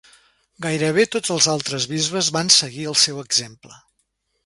Gairebé tots els altres bisbes van seguir el seu exemple.